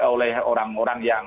oleh orang orang yang